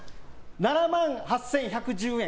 ７万８１１０円？